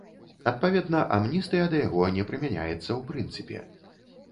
Адпаведна, амністыя да яго не прымяняецца ў прынцыпе.